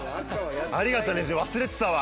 ありがとね忘れてたわ。